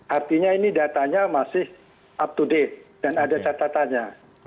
artinya ini datanya masih up to date dan ada catatannya